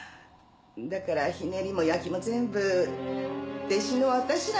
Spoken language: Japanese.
だからひねりも焼きも全部弟子の私らがやってたんだ。